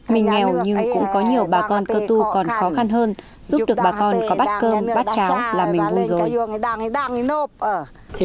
mình nghèo nhưng cũng có nhiều bà con cơ tu còn khó khăn hơn giúp được bà con có bát cơm bát cháo là mình vui rồi